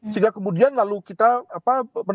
sehingga kemudian lalu kita apa